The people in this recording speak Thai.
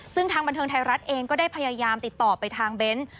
ซึ่งทางบันเทิงไทยรัฐเองก็ได้พยายามติดต่อไปทางเบ้น